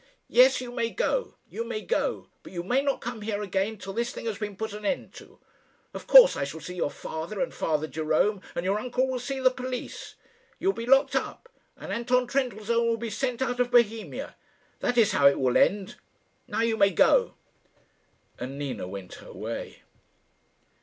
"Yes, you may go you may go; but you may not come here again till this thing has been put an end to. Of course I shall see your father and Father Jerome, and your uncle will see the police. You will be locked up, and Anton Trendellsohn will be sent out of Bohemia. That is how it will end. Now you may go." And Nina went her way.